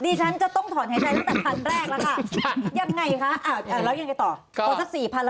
ยังไงคะแล้วยังไงต่อ